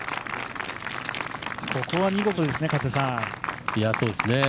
ここは見事ですね。